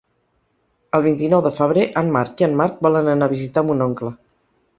El vint-i-nou de febrer en Marc i en Marc volen anar a visitar mon oncle.